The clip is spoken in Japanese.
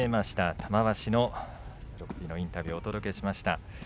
玉鷲のインタビューをお届けしました。